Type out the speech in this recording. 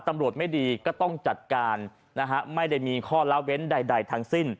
ตำรวจไม่ดีก็ต้องจัดการนะฮะไม่ได้มีข้อละเว้นใดทั้งสิ้น